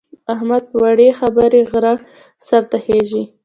احمد په وړې خبره غره سر ته خېژي.